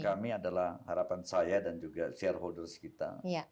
harapan kami adalah harapan saya dan juga shareholder kita